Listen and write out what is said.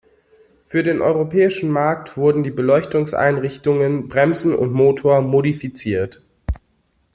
Für den europäischen Markt wurden die Beleuchtungseinrichtungen, Bremsen und Motor modifiziert.